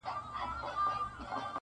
ګونګ یې کی زما تقدیر تقدیر خبري نه کوي,